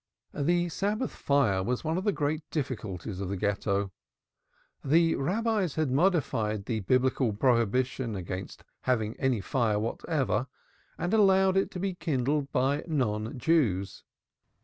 The Sabbath fire was one of the great difficulties of the Ghetto. The Rabbis had modified the Biblical prohibition against having any fire whatever, and allowed it to be kindled by non Jews.